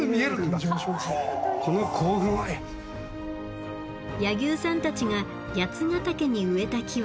柳生さんたちが八ヶ岳に植えた木は１万本以上。